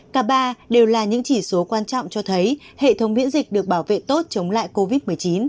cả ba đều là những chỉ số quan trọng cho thấy hệ thống miễn dịch được bảo vệ tốt chống lại covid một mươi chín